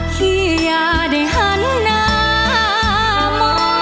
พี่อย่าได้หันหน้ามอง